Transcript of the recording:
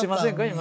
今。